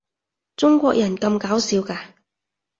中國人咁搞笑㗎